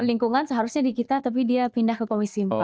lingkungan seharusnya di kita tapi dia pindah ke komisi empat